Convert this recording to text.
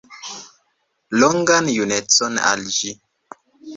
Longan junecon al ĝi!